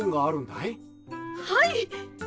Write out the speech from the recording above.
はい！